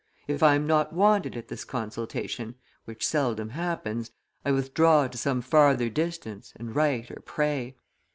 If I am not wanted at this consultation, which seldom happens, I withdraw to some farther distance and write or pray.